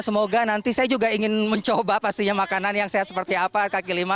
semoga nanti saya juga ingin mencoba pastinya makanan yang sehat seperti apa kaki lima